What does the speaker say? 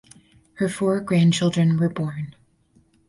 Her four grandchildren were born.